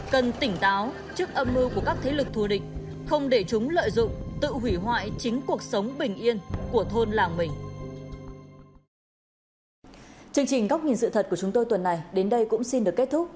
cần tỉnh táo trước âm mưu của các thế lực thù địch không để chúng lợi dụng tự hủy hoại chính cuộc sống bình yên của thôn làng mình